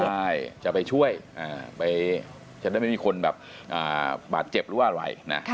ใช่จะไปช่วยจะได้ไม่มีคนแบบบาดเจ็บหรือว่าอะไรนะ